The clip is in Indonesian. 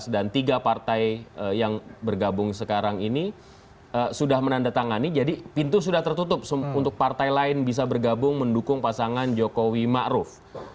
dua belas dan tiga partai yang bergabung sekarang ini sudah menandatangani jadi pintu sudah tertutup untuk partai lain bisa bergabung mendukung pasangan jokowi ⁇ maruf ⁇